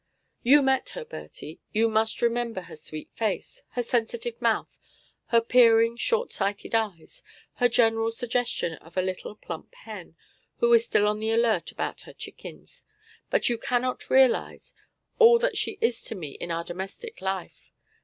You met her, Bertie! You must remember her sweet face, her sensitive mouth, her peering, short sighted eyes, her general suggestion of a plump little hen, who is still on the alert about her chickens. But you cannot realise all that she is to me in our domestic life.